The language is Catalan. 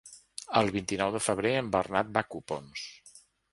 El vint-i-nou de febrer en Bernat va a Copons.